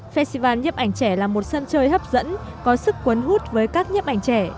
festival nhấp ảnh trẻ là một sân chơi hấp dẫn có sức quấn hút với các nhấp ảnh trẻ